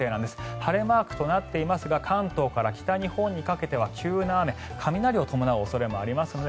晴れマークとなっていますが関東から北日本にかけては急な雨雷を伴う恐れもありますので